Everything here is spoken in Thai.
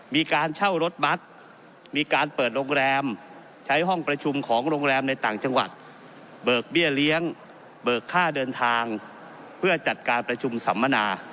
มีการเช่ารถบัตรมีการเปิดโรงแรมใช้ห้องประชุมของโรงแรมในต่างจังหวัดเบิกเบี้ยเลี้ยงเบิกค่าเดินทางเพื่อจัดการประชุมสัมมนา